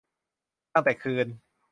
ตั้งแต่คืน